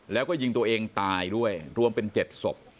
แล้วก็ยิงตัวเองตายด้วยรวมเป็น๗ศพ